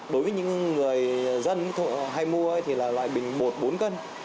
đối với những người dân hay mua thì là loại bình một bốn cân